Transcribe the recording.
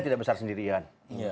tidak besar sendirian